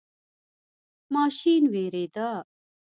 ماشین ویریده.